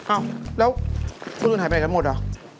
อ้าวแล้วผู้สูญหายไปไหนกันหมดอ่ะ